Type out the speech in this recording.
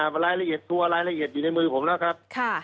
รายละเอียดตัวรายละเอียดอยู่ในมือผมแล้วครับ